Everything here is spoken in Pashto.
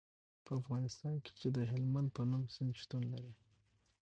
په افغانستان کې د هلمند په نوم سیند شتون لري.